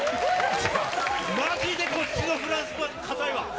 まじでこっちのフランスパン堅いわ。